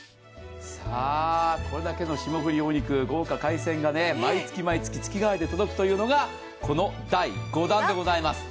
これだけの霜降りお肉、豪華海鮮が毎月毎月月替わりで届くというのがこの第５弾でございます。